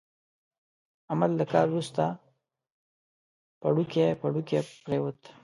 احمد له کار ورسته پړوکی پړوکی پرېوت.